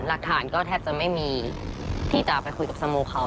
หลักฐานก็แทบจะไม่มีที่จะไปคุยกับสโมเขา